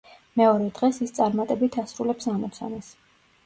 მეორე დღეს ის წარმატებით ასრულებს ამოცანას.